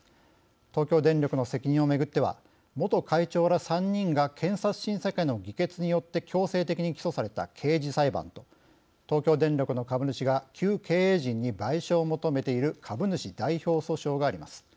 東京電力の責任を巡っては元会長ら３人が検察審査会の議決によって強制的に起訴された刑事裁判と東京電力の株主が旧経営陣に賠償を求めている株主代表訴訟があります。